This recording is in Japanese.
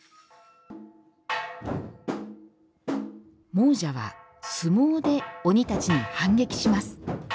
亡者は相撲で鬼たちに反撃します。